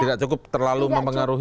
tidak cukup terlalu mempengaruhi